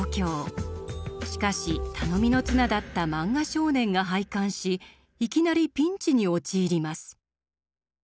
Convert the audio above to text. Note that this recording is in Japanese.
しかし頼みの綱だった「漫画少年」が廃刊しいきなりピンチに陥ります。